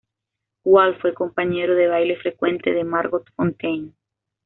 Wall fue compañero de baile frecuente de Margot Fonteyn.